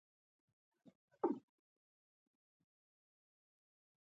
پر زړه مې اور بلېږي؛ يو څه سړې اوبه راکړه.